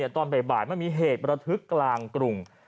ตอนบ่ายมันมีเหตุประทึกกลางกรุง